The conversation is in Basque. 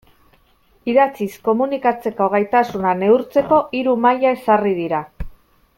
Idatziz komunikatzeko gaitasuna neurtzeko hiru maila ezarri dira.